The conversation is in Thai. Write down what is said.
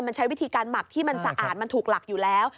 มันใช้วิธีการหมักที่มันสะอาดมันถูกหลักอยู่แล้ว